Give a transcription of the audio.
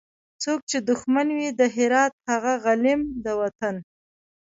څوک چي دښمن وي د هرات هغه غلیم د وطن